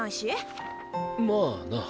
まあな。